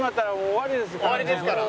終わりですから。